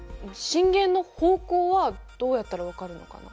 震源の方向はどうやったら分かるのかな？